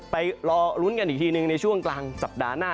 ไปรอลุ้นกันอีกทีหนึ่งในช่วงกลางสัปดาห์หน้า